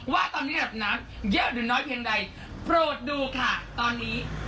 ว่าตอนนี้ระดับน้ำเยอะหรือน้อยเพียงใดโปรดดูค่ะตอนนี้